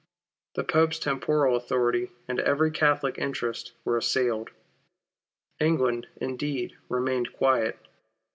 The Pope's temporal authority, and every Catholic interest, were assailed. England, indeed, remained quiet.